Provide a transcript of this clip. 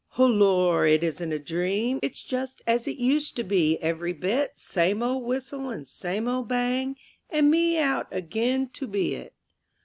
_Ho Lor, it isn't a dream, It's just as it used to be, every bit; Same old whistle and same old bang, And me out again to be 'it.